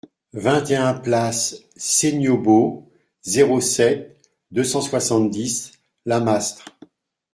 vingt et un place Seignobos, zéro sept, deux cent soixante-dix, Lamastre